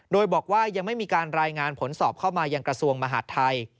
โดยบอกว่ายังไม่มีการรายงานผลสอบเข้ามายังกระทรวงมหาดไทย